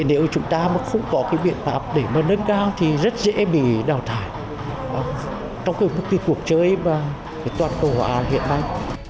nếu chúng ta không có biện pháp để nâng cao thì rất dễ bị đào tạo trong bất cứ cuộc chơi mà toàn cầu hòa hiện nay